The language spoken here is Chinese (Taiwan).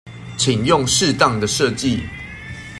請用適當的設計